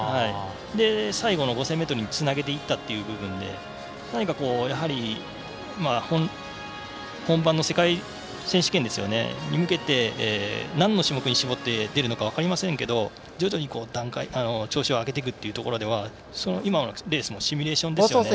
最後の５０００ｍにつなげていったという部分で本番の世界選手権に向けてなんの種目に絞って出るのか分かりませんが、徐々に調子を上げていくところは今のレースもシミュレーションですよね。